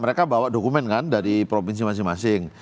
mereka bawa dokumen kan dari provinsi masing masing